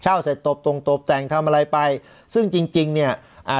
เสร็จตบตรงตบแต่งทำอะไรไปซึ่งจริงจริงเนี้ยอ่า